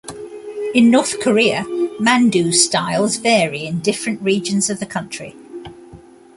In North Korea, mandu styles vary in different regions of the country.